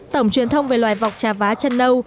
tổng truyền thông về loài vọc trà vá chân nâu